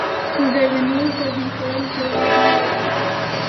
مګر د نورو توهین کول جواز نه لري.